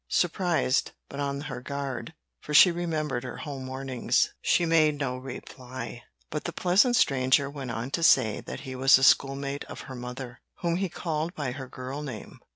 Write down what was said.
Surprised, but on her guard, for she remembered her home warnings, she made no reply; but the pleasant stranger went on to say that he was a schoolmate of her mother, whom he called by her girl name.